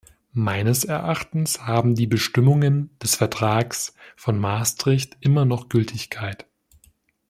Meines Erachtens haben die Bestimmungen des Vertrags von Maastricht immer noch Gültigkeit.